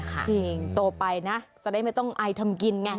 จริงโตไปนะจะได้ไม่ต้องอายทำกินไง